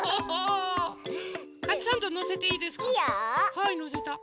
はいのせた。